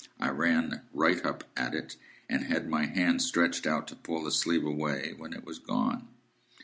I ran right up at it, and had my hand stretched out to pull the sleeve away, when it was gone."